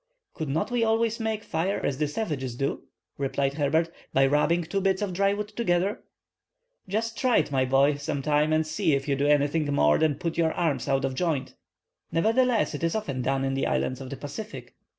"Could not we always make fire as the savages do," replied Herbert, "by rubbing two bits of dry wood together?" "Just try it, my boy, some time, and see if you do anything more than put your arms out of joint." "Nevertheless, it is often done in the islands of the Pacific."